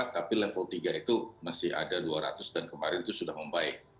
tapi level tiga itu masih ada dua ratus dan kemarin itu sudah membaik